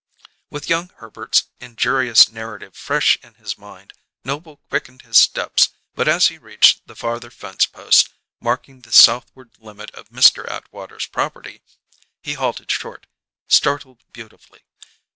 With young Herbert's injurious narrative fresh in his mind, Noble quickened his steps; but as he reached the farther fence post, marking the southward limit of Mr. Atwater's property, he halted short, startled beautifully.